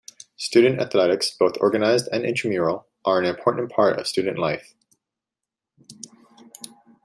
Student athletics, both organized and intramural, are an important part of student life.